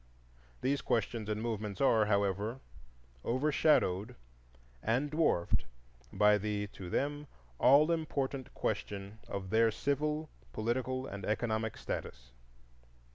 These questions and movements are, however, overshadowed and dwarfed by the (to them) all important question of their civil, political, and economic status.